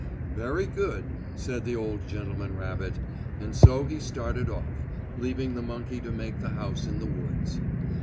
"Very good," said the old gentleman rabbit, and so he started off, leaving the monkey to make the house in the woods.